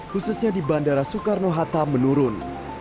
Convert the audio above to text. khususnya di bandara soekarno hatta menurun